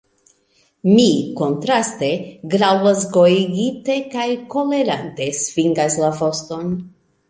Mi, kontraste, graŭlas ĝojigite kaj kolerante svingas la voston.